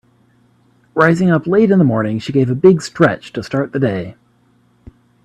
Rising up late in the morning she gave a big stretch to start the day.